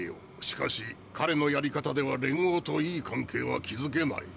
しかし彼のやり方では連合といい関係は築けない。